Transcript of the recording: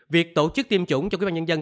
việc tổ chức tiêm chủng cho quyên bà nhân dân